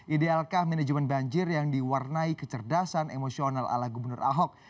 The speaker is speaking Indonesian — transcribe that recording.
idealkah manajemen banjir yang diwarnai kecerdasan emosional ala gubernur ahok